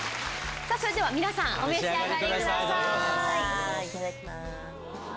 それでは皆さんお召し上がりください。